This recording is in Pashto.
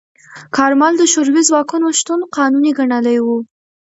کارمل د شوروي ځواکونو شتون قانوني ګڼلی و.